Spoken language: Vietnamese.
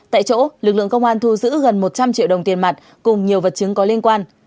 tại chỗ lực lượng công an thu giữ gần một trăm linh triệu đồng tiền mặt cùng nhiều vật chứng có liên quan